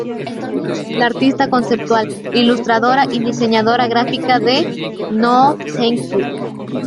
La artista conceptual, ilustradora y diseñadora gráfica de "No, Thank You!!!